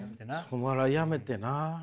お笑いやめてな。